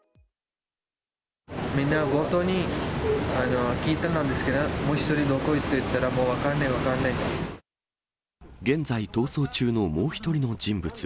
みんな、強盗に聞いたなんですけど、もう１人どこ行ったと言ったら、現在逃走中のもう１人の人物。